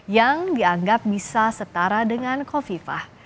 yang dianggap bisa setara dengan kofifah